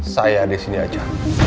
saya disini aja